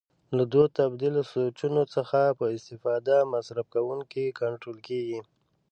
له دوو تبدیل سویچونو څخه په استفاده مصرف کوونکی کنټرول کېږي.